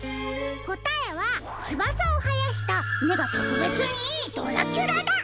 こたえはつばさをはやしためがとくべつにいいドラキュラだ。